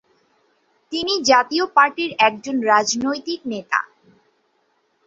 তিনি জাতীয় পার্টি ’র একজন রাজনৈতিক নেতা।